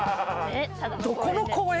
どこの公園